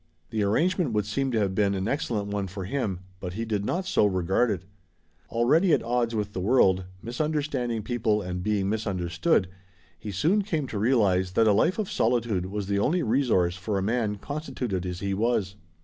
The arrangement would seem to have been an excellent one for him, but he did not so regard it. Already at odds with the world, misunderstanding people and being misunderstood, he soon came to realize that a life of solitude was the only resource for a man constituted as he was.